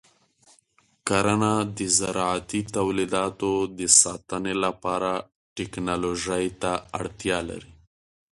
کرنه د زراعتي تولیداتو د ساتنې لپاره ټیکنالوژۍ ته اړتیا لري.